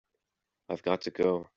I've got to go.